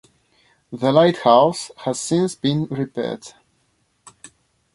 The lighthouse has since been repaired.